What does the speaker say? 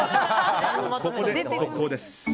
ここで速報です。